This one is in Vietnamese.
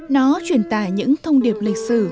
nó truyền tải những thông điệp lịch sử